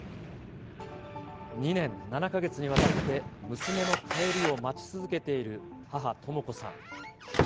２年７か月にわたって、娘の帰りを待ち続けている母、とも子さん。